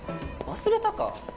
忘れたか？